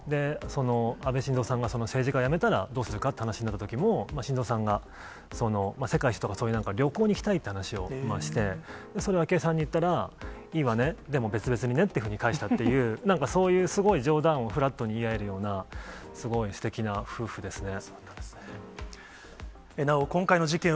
安倍晋三さんが政治家辞めたらどうするかって話になったときも、晋三さんが、世界一周とか、旅行に行きたいって話をして、それを昭恵さんに言ったら、いいわね、でも別々にねっていうふうに返したっていう、なんかそういうすごい冗談をフラットに言い合えるような、すごいすてきな夫婦ですね。